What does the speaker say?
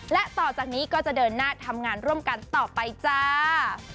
และต่อจากนี้ก็จะเดินหน้าทำงานร่วมกันต่อไปจ้า